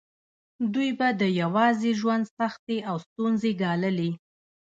دوی به د یوازې ژوند سختې او ستونزې ګاللې.